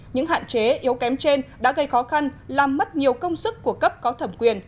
những hạn chế yếu kém trên đã gây khó khăn làm mất nhiều công sức của cấp có thẩm quyền